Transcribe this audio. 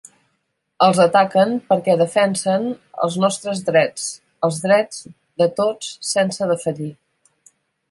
Els ataquen perquè defensen els nostres drets, els drets de tots sense defallir.